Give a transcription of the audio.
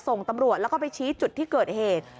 ส่งตำรวจแล้วก็ไปชี้จุดที่เกิดเหตุ